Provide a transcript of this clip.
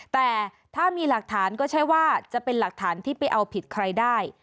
แต่ถ้ามีหลักฐานก็ใช่ว่าจะเป็นหลักฐานที่ไปเอาผิดใครได้